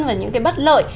và những cái bất lợi